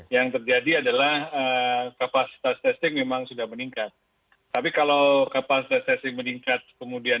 yang terjadi adalah kapasitas testing memang sudah meningkat tapi kalau kapasitas resesi meningkat kemudian